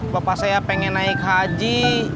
bapak saya pengen naik haji